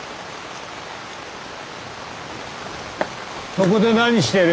そこで何してる？